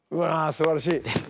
すばらしい！